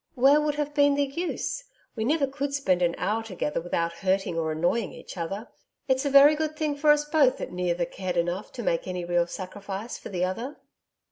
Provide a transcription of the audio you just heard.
'Where would have been the use? We never could spend an hour together without hurting or annoying each other. It's a very good thing for us both that neither cared enough to make any real sacrifice for the other.'